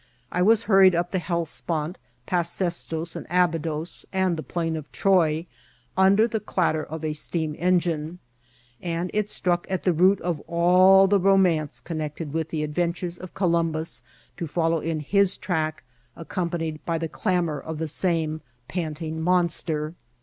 I was hurried up the Helles pont, past Sestos and Abydos, and the Plain of Troy, under the clatter of a steam engine ; and it struck at the root of all the romance connected with the adven tures of Columbus to follow in his track, accompanied by the clamour of the same panting monster.